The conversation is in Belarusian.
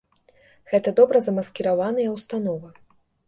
Гэта добра замаскіраваная ўстанова.